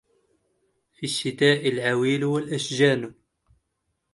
في الشتاء العويل والأشجان